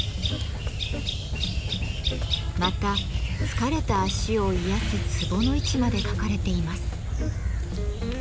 また疲れた足を癒やすツボの位置まで書かれています。